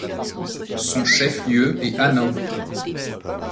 Son chef-lieu est Hanovre.